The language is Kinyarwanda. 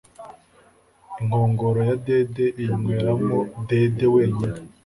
inkongoro yadede inywera mo dede wenyine